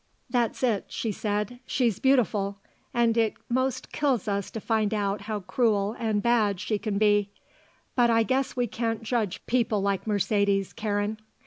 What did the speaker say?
"That's it," she said. "She's beautiful and it most kills us to find out how cruel and bad she can be. But I guess we can't judge people like Mercedes, Karen.